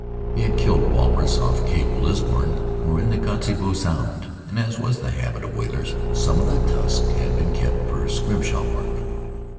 They had killed walrus off Cape Lisburne or in the Kotzebue Sound and, as was the habit of whalers, some of the tusks had been kept for scrimshaw work.